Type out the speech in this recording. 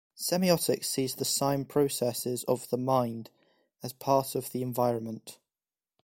Semiotics sees the sign processes of the mind as part of the environment.